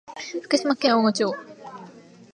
福島県小野町